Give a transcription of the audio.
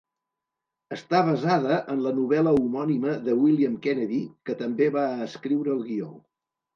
Està basada en la novel·la homònima de William Kennedy, que també va escriure el guió.